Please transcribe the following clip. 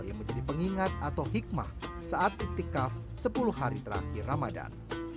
yang menjadi pengingat atau hikmah saat iktikaf sepuluh hari terakhir ramadan